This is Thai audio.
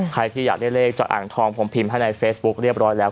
ใครที่อยากได้เลขจากอ่างทองผมพิมพ์ให้ในเฟซบุ๊คเรียบร้อยแล้ว